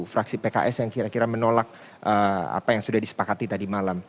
fraksi pks yang kira kira menolak apa yang sudah disepakati tadi malam